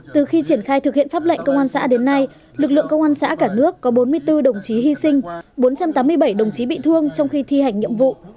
từ khi triển khai thực hiện pháp lệnh công an xã đến nay lực lượng công an xã cả nước có bốn mươi bốn đồng chí hy sinh bốn trăm tám mươi bảy đồng chí bị thương trong khi thi hành nhiệm vụ